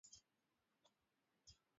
Paka mafuta kwenye chombo cha kuokea